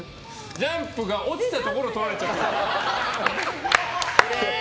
ジャンプが落ちたところで取られちゃってる。